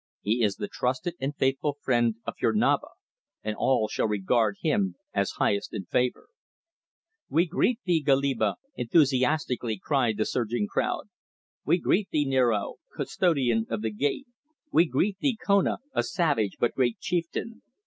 He is the trusted and faithful friend of your Naba, and all shall regard him as highest in favour." "We greet thee, Goliba!" enthusiastically cried the surging crowd. "We greet thee, Niaro, Custodian of the Gate! We greet thee, Kona, a savage but great chieftain!